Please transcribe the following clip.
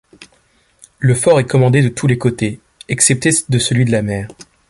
Le fort est commandé de tous les côtés, excepté de celui de la mer.